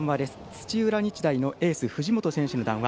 土浦日大エース、藤本選手の談話